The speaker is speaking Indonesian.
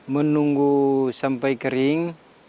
menunggu sampai kering